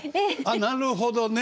なるほどね。